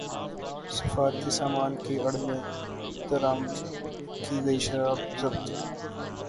سفارتی سامان کی اڑ میں درامد کی گئی شراب ضبط